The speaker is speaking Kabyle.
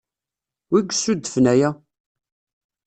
Wi yessudfen aya?